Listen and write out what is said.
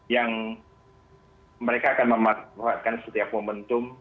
yang mereka akan memanfaatkan setiap momentum